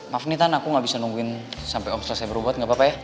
maaf nih tan aku enggak bisa nungguin sampai om selesai berubat gak apa apa ya